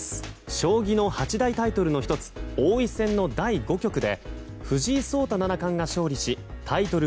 将棋の八大タイトルの１つ王位戦の第５局で藤井聡太七冠が勝利しタイトル